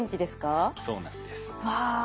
そうなんです。わ！